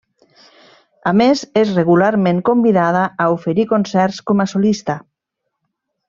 A més és regularment convidada a oferir concerts com a solista.